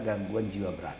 gangguan jiwa berat